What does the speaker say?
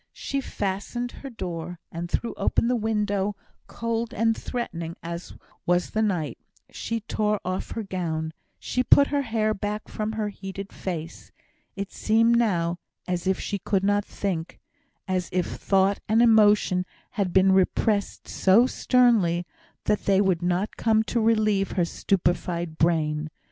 She fastened her door, and threw open the window, cold and threatening as was the night. She tore off her gown; she put her hair back from her heated face. It seemed now as if she could not think as if thought and emotion had been repressed so sternly that they would not come to relieve her stupified brain.